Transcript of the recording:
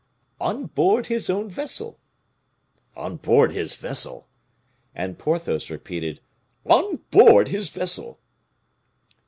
"On board his own vessel." "On board his vessel!" and Porthos repeated, "On board his vessel!"